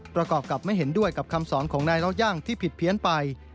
ประกอบกับไม่เห็นด้วยกับคำสอนของนายเล่าย่างที่ผิดเพี้ยนไป